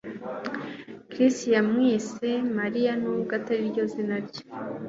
Chris yamwise Mariya nubwo atariryo zina rye